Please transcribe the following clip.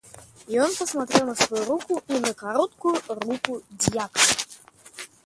И он посмотрел на свою руку и на короткую руку дьякона.